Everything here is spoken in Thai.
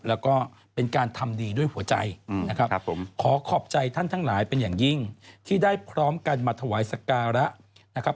แล้วก็เป็นการทำดีด้วยหัวใจนะครับผมขอขอบใจท่านทั้งหลายเป็นอย่างยิ่งที่ได้พร้อมกันมาถวายสการะนะครับ